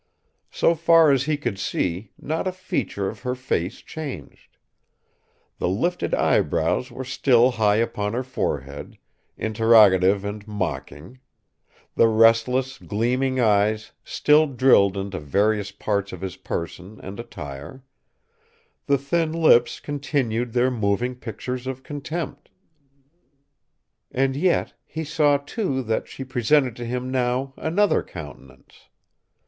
So far as he could see, not a feature of her face changed. The lifted eyebrows were still high upon her forehead, interrogative and mocking; the restless, gleaming eyes still drilled into various parts of his person and attire; the thin lips continued their moving pictures of contempt. And yet, he saw, too, that she presented to him now another countenance.